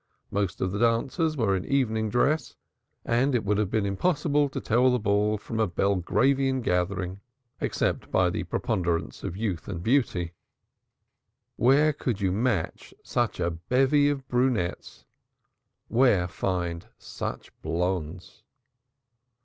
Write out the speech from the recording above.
Most of the dancers were in evening dress, and it would have been impossible to tell the ball from a Belgravian gathering, except by the preponderance of youth and beauty. Where could you match such a bevy of brunettes, where find such blondes?